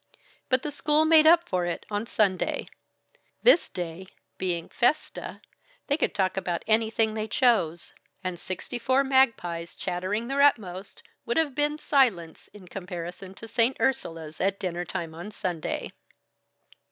But the school made up for it on Sunday. This day, being festa, they could talk about anything they chose; and sixty four magpies chattering their utmost, would have been silence in comparison to St. Ursula's at dinner time on Sunday.